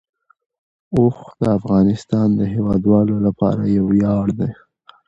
اوښ د افغانستان د هیوادوالو لپاره یو ویاړ دی.